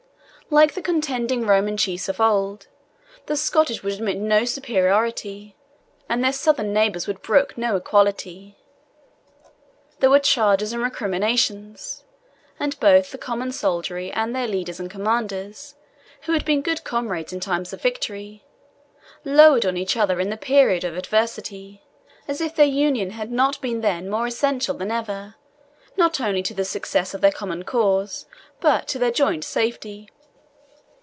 Like the contending Roman chiefs of old, the Scottish would admit no superiority, and their southern neighbours would brook no equality. There were charges and recriminations, and both the common soldiery and their leaders and commanders, who had been good comrades in time of victory, lowered on each other in the period of adversity, as if their union had not been then more essential than ever, not only to the success of their common cause, but to their joint safety.